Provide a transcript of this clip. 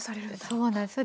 そうなんです。